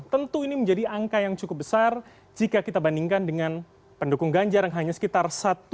tentu ini menjadi angka yang cukup besar jika kita bandingkan dengan pendukung ganjar yang hanya sekitar satu